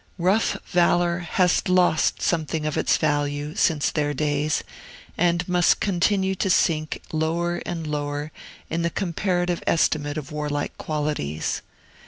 Rough valor has lost something of its value, since their days, and must continue to sink lower and lower in the comparative estimate of warlike qualities.